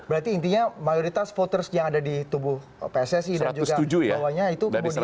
berarti intinya mayoritas voters yang ada di tubuh pssi dan juga bawahnya itu kemudian